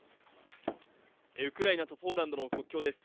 ウクライナとポーランドの国境です。